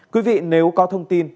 quý vị nếu có thông tin